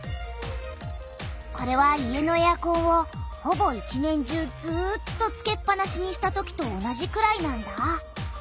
これは家のエアコンをほぼ一年中ずっとつけっぱなしにしたときと同じくらいなんだ。